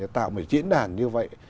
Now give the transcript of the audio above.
tạo một diễn đàn như vậy